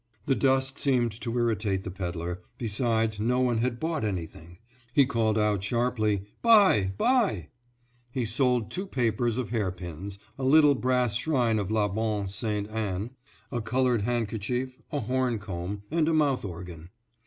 The dust seemed to irritate the pedler, besides, no one had bought anything. He called out sharply, "Buy—buy." He sold two papers of hair pins, a little brass shrine of La Bonne St. Anne, a colored handkerchief, a horn comb, and a mouth organ.